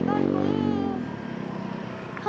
với các bạn tiếp theo